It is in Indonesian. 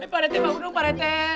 pak rt bangun dong pak rt